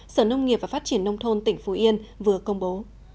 sở nông nghiệp và phát triển nông thôn tỉnh phú yên vừa công bố